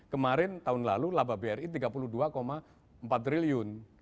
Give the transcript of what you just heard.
kemarin tahun lalu laba bri tiga puluh dua empat triliun